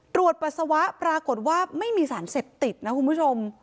ปัสสาวะปรากฏว่าไม่มีสารเสพติดนะคุณผู้ชม